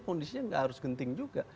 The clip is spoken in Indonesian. kondisinya nggak harus genting juga